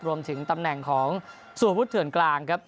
รวมถึงตำแหน่งของสวพุทธเถื่อนกลางครับ